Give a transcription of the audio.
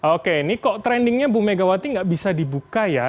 oke ini kok trendingnya bu megawati nggak bisa dibuka ya